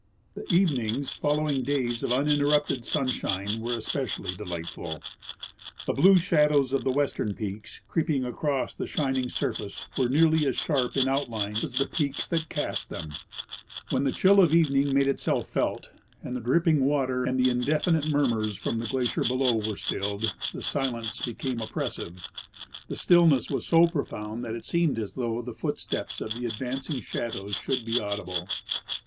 The evenings following days of uninterrupted sunshii:i.e were especially delightful. The blue shadows of the western peaks creeping across the shining surface were nearly as sharp in outline as the peaks that cast * Named in honor of Professor Roland Duer Irving, U. S. geologist. Phoch Avalanches. 145 them. When the chill of evening made itself felt, and the drop ping water and the indefinite murmurs from the glacier below were stilled, the silence became oppressive. The stillness was so profound that it seemed as though the footsteps of the advanc ing shadows should be audible.